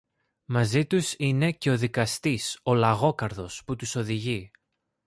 Μαζί τους είναι και ο δικαστής ο Λαγόκαρδος που τους οδηγεί